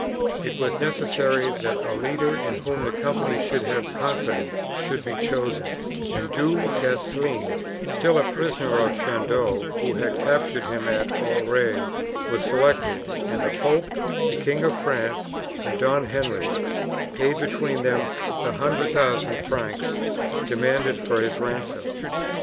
It was necessary that a leader in whom the companies should have confidence should be chosen, and Du Guesclin, still a prisoner of Chandos, who had captured him at Auray, was selected, and the pope, the King of France, and Don Henry, paid between them the 100,000 francs demanded for his ransom.